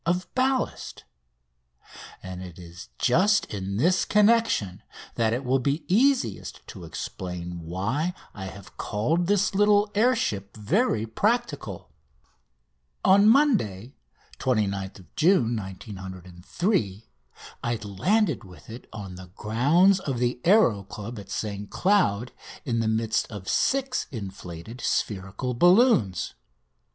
of ballast; and it is just in this connection that it will be easiest to explain why I have called this little air ship very practical. On Monday, 29th June 1903, I landed with it on the grounds of the Aéro Club at St Cloud in the midst of six inflated spherical balloons.